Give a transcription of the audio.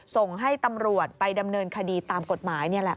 ส่งให้ตำรวจไปดำเนินคดีตามกฎหมายนี่แหละ